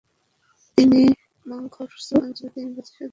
তিনি ম্খার-ছু অঞ্চলে তিন বছর সাধনা করেন।